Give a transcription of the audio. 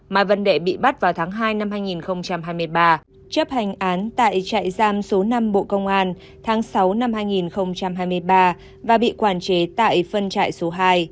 mai văn đệ bị bắt vào tháng hai năm hai nghìn hai mươi ba chấp hành án tại trại giam số năm bộ công an tháng sáu năm hai nghìn hai mươi ba và bị quản chế tại phân trại số hai